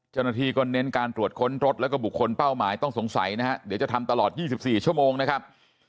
เจ้าหน้าที่ก็เน้นการตรวจค้นรถแล้วก็บุคคลเป้าหมายต้องสงสัยนะฮะเดี๋ยวจะทำตลอด๒๔ชั่วโมงนะครับ